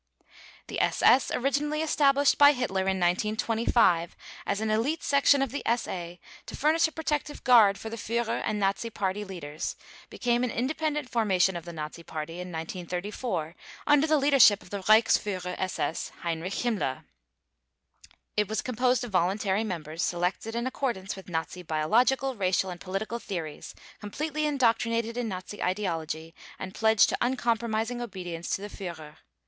The SS, originally established by Hitler in 1925 as an elite section of the SA to furnish a protective guard for the Führer and Nazi Party leaders, became an independent formation of the Nazi Party in 1934 under the leadership of the Reichsführer SS, Heinrich Himmler. It was composed of voluntary members, selected in accordance with Nazi biological, racial, and political theories, completely indoctrinated in Nazi ideology and pledged to uncompromising obedience to the Führer.